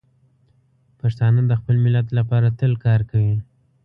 پښتانه د خپل ملت لپاره تل کار کوي.